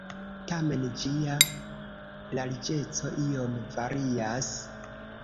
Tamen ĝia larĝeco iom varias.